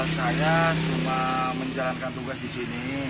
saya cuma menjalankan tugas di sini